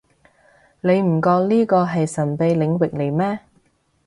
你唔覺呢個係神秘領域嚟咩